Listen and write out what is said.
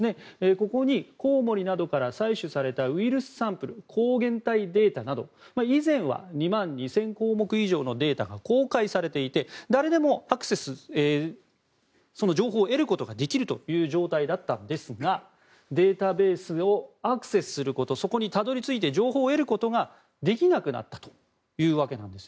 ここにコウモリなどから採取されたウイルスサンプル抗原体データなど以前は２万２０００項目以上のデータが公開されていて誰でもアクセスして情報を得ることができる状態だったんですがデータベースをアクセスすることそこにたどり着いて情報を得ることができなくなったというわけなんです。